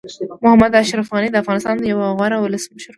محمد اشرف غني د افغانستان یو غوره ولسمشر وو.